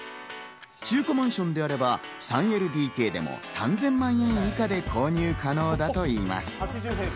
中古マンションであれば３ＬＤＫでも３０００万円以下で購入可能だといいます。